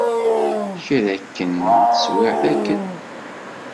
Kra akken n teswiɛt akken.